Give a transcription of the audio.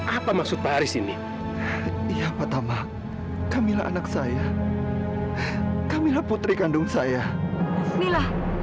apa bener paharis itu adalah ayah kandung kamu mila